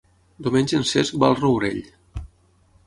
Diumenge en Cesc va al Rourell.